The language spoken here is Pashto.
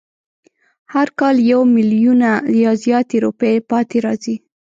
هر کال یو میلیونه یا زیاتې روپۍ پاتې راځي.